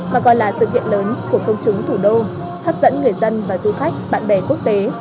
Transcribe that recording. mà còn là sự kiện lớn của công chúng thủ đô hấp dẫn người dân và du khách bạn bè quốc tế